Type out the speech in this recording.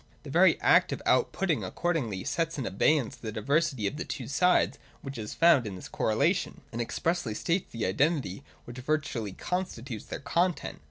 The very act of out putting accordingly sets in abeyance the diversity of the two sides which is found in this correlation, and expressly states the identity which virtually constitutes their content.